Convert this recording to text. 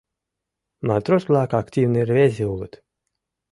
Матрос-влак активный рвезе улыт.